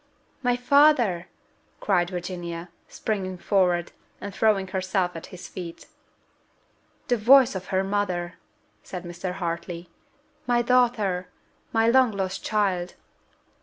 "My father!" cried Virginia, springing forward, and throwing herself at his feet. "The voice of her mother!" said Mr. Hartley. "My daughter! My long lost child!"